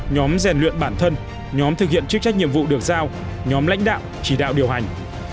nhóm rèn luyện bản thân nhóm thực hiện chức trách nhiệm vụ được giao nhóm lãnh đạo chỉ đạo điều hành